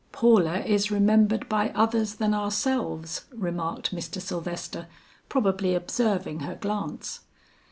"Paula is remembered by others than ourselves," remarked Mr. Sylvester, probably observing her glance.